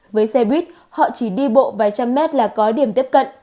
với xe buýt họ chỉ đi bộ vài trăm mét là có điểm tiếp cận